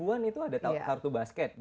dua ribu an itu ada kartu basket